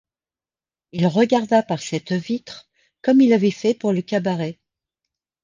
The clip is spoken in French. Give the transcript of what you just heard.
Il regarda par cette vitre comme il avait fait pour le cabaret.